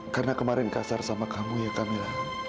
karena kemarin kasar sama kamu ya kamila